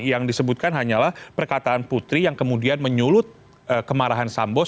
yang disebutkan hanyalah perkataan putri yang kemudian menyulut kemarahan sambo